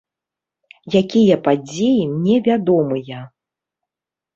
Якія падзеі мне вядомыя?